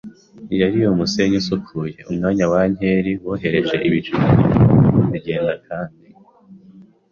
yari umusenyi usukuye. Umwanya wa ankeri wohereje ibicu byinyoni zigenda kandi